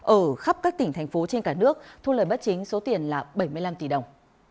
ở khắp các tỉnh thành phố trên cả nước thu lời bất chính số tiền là bảy mươi năm tỷ đồng